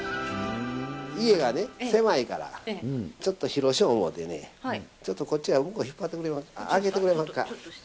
家がね、狭いから、ちょっと広しようと思ってね、ちょっとこっち奥引っ張ってもらえますか、開けてくれまっか？